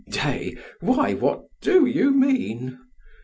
S. Heigh day! Why, what do you mean?